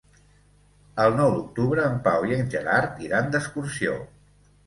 El nou d'octubre en Pau i en Gerard iran d'excursió.